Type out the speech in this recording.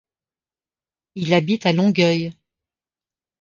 Il habite à Longueuil.